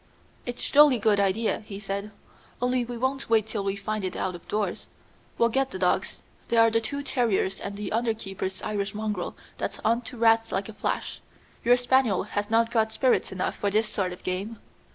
"It's jolly good idea," he said; "only we won't wait till we find it out of doors. We'll get the dogs. There are the two terriers and the under keeper's Irish mongrel that's on to rats like a flash. Your spaniel has not got spirit enough for this sort of game."